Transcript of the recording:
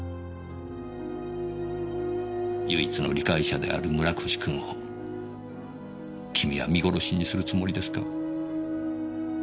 唯一の理解者である村越君を君は見殺しにするつもりですか？